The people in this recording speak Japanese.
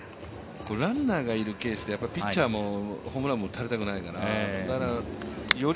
ランナーがいるケースでピッチャーもホームランも打たれたくないから。